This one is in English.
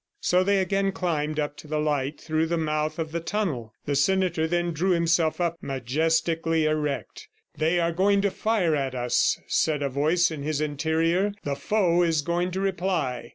So they again climbed up to the light through the mouth of the tunnel. The senator then drew himself up, majestically erect. "They are going to fire at us," said a voice in his interior, "The foe is going to reply."